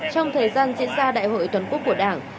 trong thời gian diễn ra đại hội toàn quốc của đảng